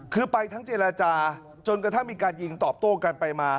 คือไปทั้งเจรจาจนกระทั่งมีการยิงตอบโต้กันไปมา